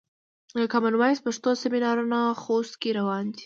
د کامن وایس پښتو سمینارونه خوست کې روان دي.